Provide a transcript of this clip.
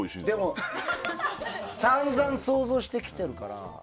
でもさんざん想像してきてるから。